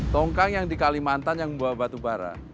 tongkang yang di kalimantan yang membawa batu bara